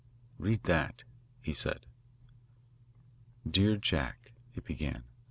"Read that," he said. "Dear Jack," it began.